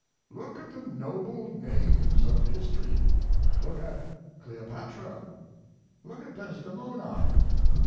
] Look at the noble names of history! Look at Cleopatra! Look at Desdemona!